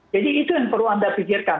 jadi itu yang perlu anda pikirkan